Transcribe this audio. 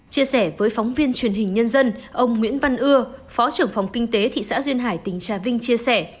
chia sẻ với phóng viên truyền hình nhân dân ông nguyễn văn ưa phó trưởng phòng kinh tế thị xã duyên hải tỉnh trà vinh chia sẻ